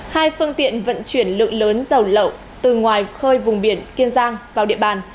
hai phương tiện vận chuyển lượng lớn dầu lậu từ ngoài khơi vùng biển kiên giang vào địa bàn